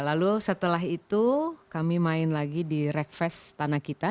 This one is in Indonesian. lalu setelah itu kami main lagi di rekfest tanah kita